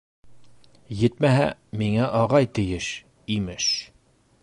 Етмәһә, миңә ағай тейеш, имеш!